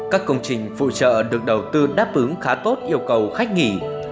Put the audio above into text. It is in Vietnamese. các công trình phụ trợ được đầu tư đáp ứng khá tốt yêu cầu khách nghỉ